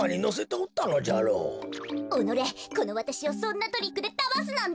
おのれこのわたしをそんなトリックでだますなんて！